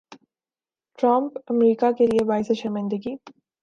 Trump امریکا کیلئے باعث شرمندگی